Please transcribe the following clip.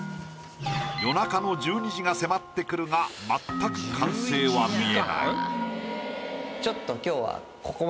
夜中の１２時が迫ってくるが全く完成は見えない。